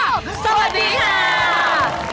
โอ้สวัสดีค่ะ